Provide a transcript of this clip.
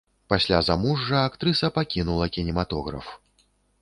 Пасля замужжа актрыса пакінула кінематограф.